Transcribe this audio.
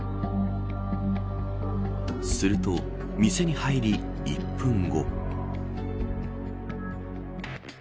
すると、店に入り１分後。